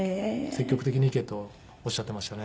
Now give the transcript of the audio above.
積極的に行けとおっしゃっていましたね。